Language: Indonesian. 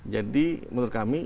jadi menurut kami